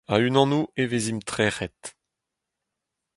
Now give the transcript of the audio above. A-unanoù e vezimp trec'het.